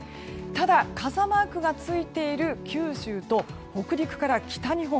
ただ、傘マークがついている九州と北陸から北日本